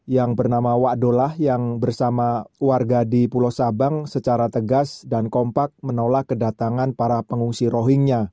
yang bernama wadolah ⁇ yang bersama warga di pulau sabang secara tegas dan kompak menolak kedatangan para pengungsi rohingya